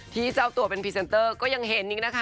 เจ้าตัวเป็นพรีเซนเตอร์ก็ยังเห็นอีกนะคะ